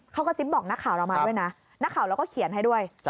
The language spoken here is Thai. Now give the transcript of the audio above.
เขากระซิบบอกนักข่าวเรามาด้วยนะนักข่าวเราก็เขียนให้ด้วย